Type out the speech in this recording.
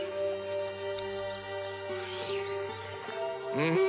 うん！